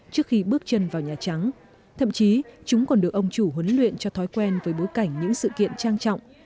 trước khi bước chân vào nhà trắng thậm chí chúng còn được ông chủ huấn luyện cho thói quen với bối cảnh những sự kiện trang trọng